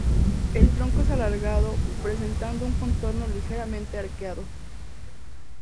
El tronco es alargado presentando un contorno ligeramente arqueado.